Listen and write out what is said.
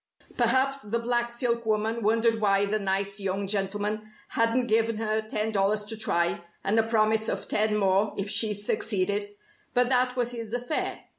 Perhaps the black silk woman wondered why the nice young gentleman hadn't given her ten dollars to try, and a promise of ten more if she succeeded. But that was his affair.